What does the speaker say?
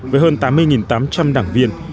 với hơn tám mươi tám trăm linh đảng viên